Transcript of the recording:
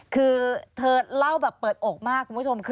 คือเธอเล่าแบบเปิดอกมากคุณผู้ชม